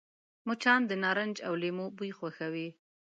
مچان د نارنج او لیمو بوی خوښوي